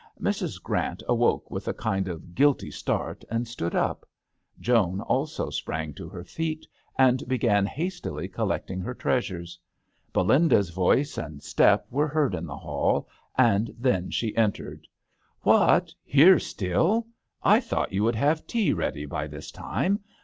Mrs. Grant awoke with a kind of guilty start and stood up ; Joan also sprang to her feet and began hastily collecting her treasures. Belinda's voice and step were heard in the hall, and then she entered. " What, here still ! I thought you would have tea ready by this time.